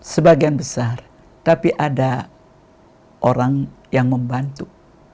sebagian besar tapi ada orang yang membantu